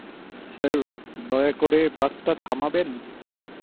Sir, দয়া করে বাসটা থামাবেন?